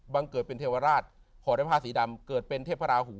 เกิดเป็นเทวราชห่อด้วยผ้าสีดำเกิดเป็นเทพราหู